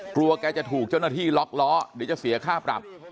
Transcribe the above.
กลัวแกจะถูกเจ้าหน้าที่ล็อกล้อเดี๋ยวจะเสียค่าปรับ